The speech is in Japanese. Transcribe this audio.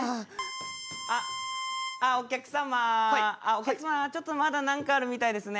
お客様ちょっとまだ何かあるみたいですね。